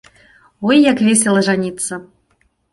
Ой, як весела жаніцца.